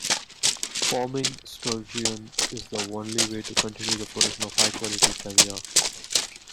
Farming sturgeon is the only way to continue the production of high quality caviar.